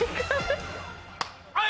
・はい！